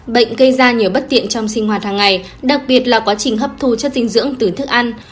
bệnh gây ra nhiều bất tiện trong sinh hoạt hàng ngày đặc biệt là quá trình hấp thu chất dinh dưỡng từ thức ăn